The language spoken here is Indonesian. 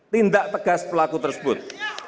tindak tegas pelaku tersebut